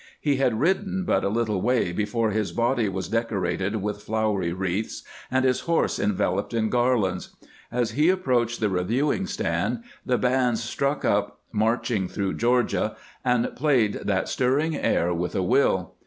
He had ridden but a little way before his body was decorated with flowery wreaths, and his horse enveloped in garlands. As he approached the reviewing stand the bands struck up "Marching through Q eorgia," and played that stirring air with a will.